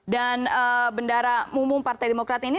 dan bendahara umum partai demokrat ini